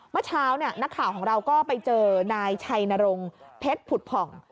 เมื่อเช้านักข่าวของเราก็ไปเจอนายชัยนรงเพชรผุดผ่อง